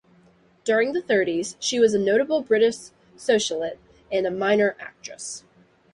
During the thirties, she was a notable British socialite, and a minor actress.